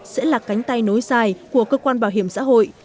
sẽ là cánh tay nối dài của cơ quan bảo hiểm xã hội